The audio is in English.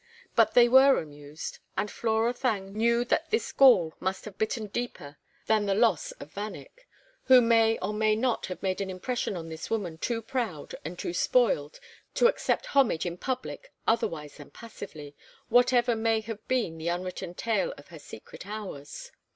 But they were amused, and Flora Thangue knew that this gall must have bitten deeper than the loss of Vanneck, who may or may not have made an impression on this woman too proud and too spoiled to accept homage in public otherwise than passively, whatever may have been the unwritten tale of her secret hours.